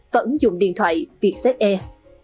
và ứng dụng điện thoại vietjet air